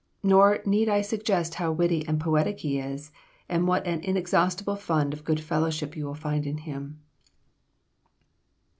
Nor need I suggest how witty and poetic he is, and what an inexhaustible fund of good fellowship you will find in him."